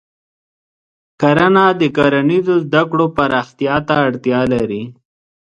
کرنه د کرنیزو زده کړو پراختیا ته اړتیا لري.